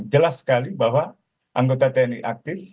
jelas sekali bahwa anggota tni aktif